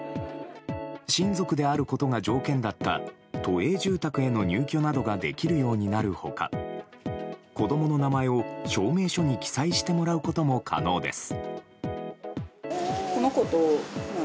親族であることが条件だった都営住宅への入居などができるようになる他子供の名前を証明書に記載してもらうことも可能です。